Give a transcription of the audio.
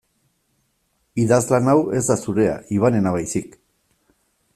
Idazlan hau ez da zurea Ivanena baizik.